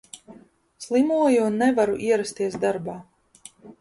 Slimoju un nevaru ierasties darbā.